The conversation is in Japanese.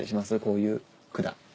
こういう管。